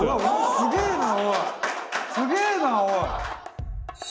すげえなおい！